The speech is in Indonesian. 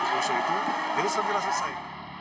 di poso itu jadi segera selesai